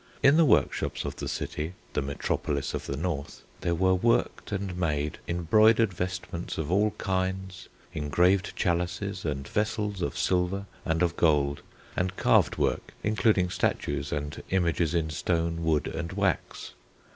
In the workshops of the city, the metropolis of the north, there were worked and made embroidered vestments of all kinds, engraved chalices and vessels of silver and of gold, and carved work, including statues and images in stone, wood, and wax.